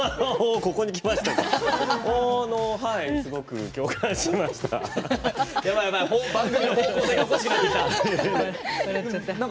ここにきましたか！